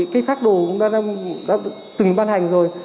cái phác đồ đã từng ban hành rồi